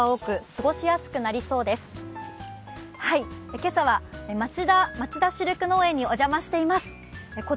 今朝はまちだシルク農園にお邪魔しています。